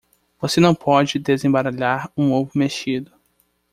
Você não pode desembaralhar um ovo mexido.